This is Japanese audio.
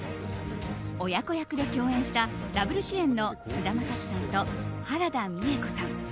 親子役で共演したダブル主演の菅田将暉さんと原田美枝子さん。